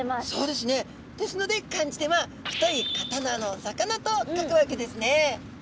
ですので漢字では太い刀の魚と書くわけですね。